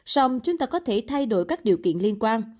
xong chúng ta có thể thay đổi các điều kiện liên quan